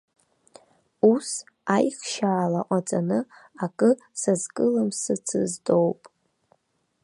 Ус, аихшьаала ҟаҵаны акы сазкылымсыцызтоуп.